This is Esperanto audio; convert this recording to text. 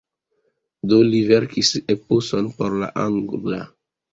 Do li verkis eposon por la angla.